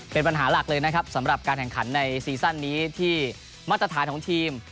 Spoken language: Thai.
เป็นปัญหาหลักเลยนะครับสำหรับการแข่งขันในซีซั่นนี้ที่มาตรฐานของทีม